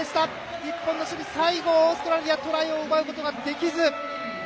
日本の守備、最後オーストラリアトライを奪うことができず。